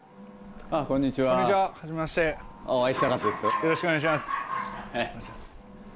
よろしくお願いします。